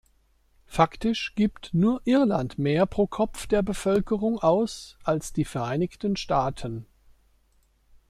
Faktisch gibt nur Irland mehr pro Kopf der Bevölkerung aus als die Vereinigten Staaten.